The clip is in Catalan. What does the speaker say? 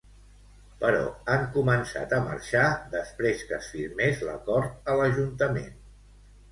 Però han començat a marxar després que es firmés l'acord a l'Ajuntament.